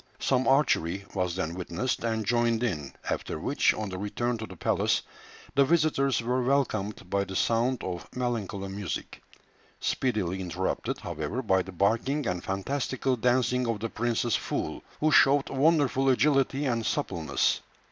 Some archery was then witnessed, and joined in, after which, on the return to the palace, the visitors were welcomed by the sound of melancholy music, speedily interrupted, however, by the barking and fantastical dancing of the prince's fool, who showed wonderful agility and suppleness.